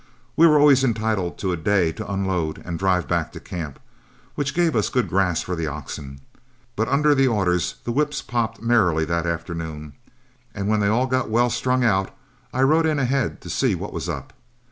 We were always entitled to a day to unload and drive back to camp, which gave us good grass for the oxen, but under the orders the whips popped merrily that afternoon, and when they all got well strung out, I rode in ahead, to see what was up.